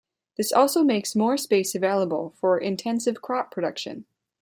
This also makes more space available for intensive crop production.